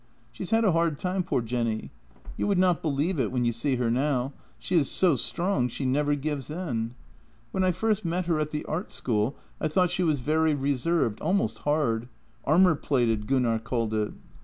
She has had a hard time, poor Jenny. You would not believe it when you see her now. She is so strong, she never gives in. When I first met her at the art school I thought she was very reserved, almost hard — armour plated, Gunnar called it.